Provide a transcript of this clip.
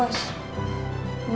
ya kayak gitu